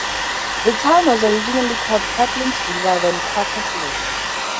The town was originally called "Catlins River", then "Quakerfield".